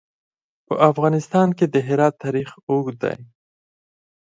په افغانستان کې د هرات تاریخ اوږد دی.